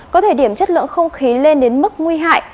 có thời điểm chất lượng không khí lên đến mức nguy hại